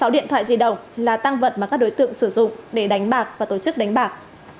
sáu điện thoại di động là tăng vật mà các đối tượng sử dụng để đánh bạc và tổ chức đánh bạc